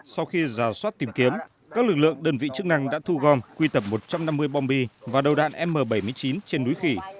sau khi giả soát tìm kiếm các lực lượng đơn vị chức năng đã thu gom quy tập một trăm năm mươi bom bi và đầu đạn m bảy mươi chín trên núi khỉ